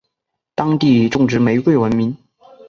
当地以种植玫瑰闻名。